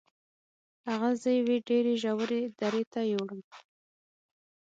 هغه زه یوې ډیرې ژورې درې ته یووړم.